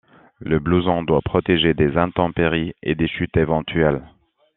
Le blouson doit protéger des intempéries et des chutes éventuelles.